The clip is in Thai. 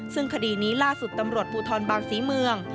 ซึ่งคดีนี้ล่าสุดตำรวจภูทรบางศรีเมือง